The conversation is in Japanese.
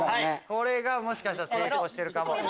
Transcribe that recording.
これがもしかしたら成功してるかも。